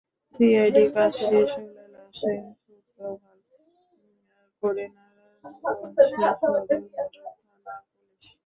সিআইডির কাজ শেষ হলে লাশের সুরতহাল করে নারায়ণগঞ্জ সদর মডেল থানার পুলিশ।